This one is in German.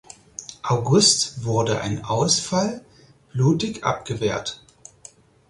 August wurde ein Ausfall blutig abgewehrt.